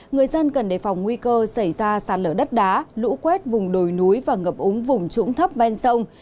người dân cần đề phòng nguy cơ xảy ra sạt lở đất đá lũ quét vùng đồi núi và ngập úng vùng trũng thấp ven sông